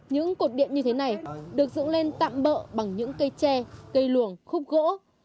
những cột điện như thế này được dựng lên tạm bỡ bằng những cây tre cây luồng khúc gỗ